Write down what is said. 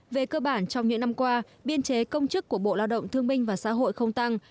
về cơ bản trong những năm qua biên chế công chức của bộ lao động thương minh và xã hội không tăng